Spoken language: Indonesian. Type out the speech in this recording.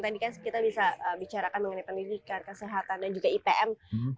tadi kan kita bisa bicarakan mengenai pendidikan kesehatan dan juga ipm